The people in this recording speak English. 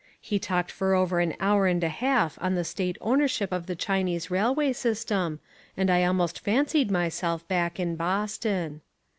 He talked for over an hour and a half on the State ownership of the Chinese Railway System, and I almost fancied myself back in Boston.